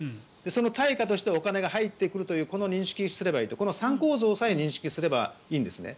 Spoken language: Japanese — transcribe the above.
その対価としてお金が入ってくると認識すればいいこの３構造さえ認識すればいいんですね。